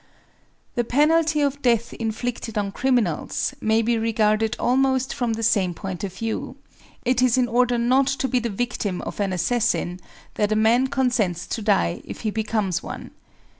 The penalty of death inflicted on criminals may be regarded almost from the same point of view; it is in order not to be the victim of an assassin that a man consents to die if he becomes one.